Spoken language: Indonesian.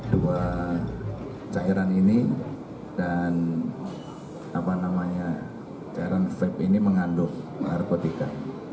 dua cairan ini dan apa namanya cairan vep ini mengandung argotika